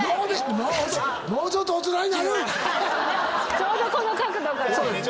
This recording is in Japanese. ちょうどこの角度から。